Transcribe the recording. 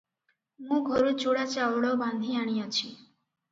ମୁଁ ଘରୁ ଚୂଡ଼ା ଚାଉଳ ବାନ୍ଧି ଆଣିଅଛି ।